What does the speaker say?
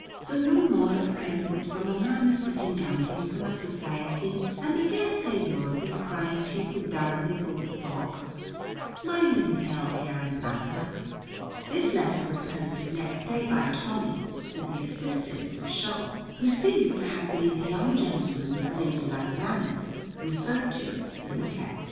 So no more at present, for my man is sitting ganting for my society, and I daresay yours is crying to you to darn his old socks. Mind and tell Aaron Latta." This letter was posted next day by Tommy, with the assistance of Shovel, who seems to have been the young gentleman of ladylike manners referred to in the text.